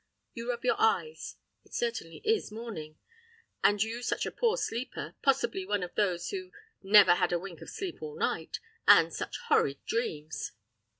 You rub your eyes. It certainly is morning! And you such a poor sleeper, possibly one of those who "never had a wink of sleep all night, and such horrid dreams."